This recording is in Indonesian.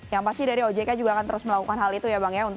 yang pasti dari ojk juga akan terus melakukan hal itu ya bang ya